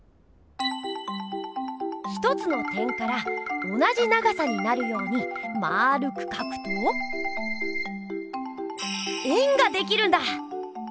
１つの点から同じ長さになるようにまるくかくと円ができるんだ！